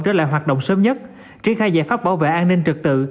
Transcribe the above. trở lại hoạt động sớm nhất triển khai giải pháp bảo vệ an ninh trực tự